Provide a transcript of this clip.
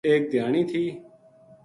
ایک دھیانی تھی